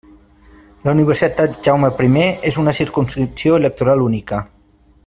La Universitat Jaume primer és una circumscripció electoral única.